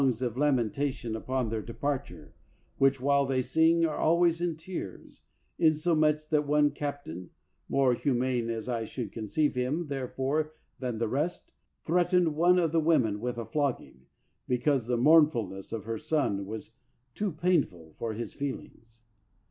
of lamen tation upon their departure which, while they sing, are always in tears, insomuch that one cap tain (more humane as I should conceive him, therefore, than the rest) threatened one of the women with a flogging, because the mournfulness of her son was too painful for his feelings.